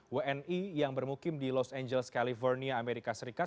wni yang bermukim di los angeles california amerika serikat